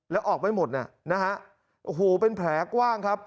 แล้วออกไม่หมดน่ะนะฮะโอ้โหเป็นแผลกว้างครับ